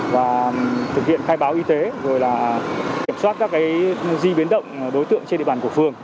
và thực hiện khai báo y tế rồi kiểm soát các di biến động đối tượng trên địa bàn của phường